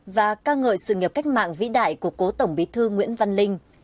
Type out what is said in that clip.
và ca ngợi sự nghiệp cách mạng vĩ đại của cố tổng bí thư nguyễn văn linh